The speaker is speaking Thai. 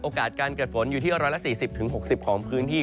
การเกิดฝนอยู่ที่๑๔๐๖๐ของพื้นที่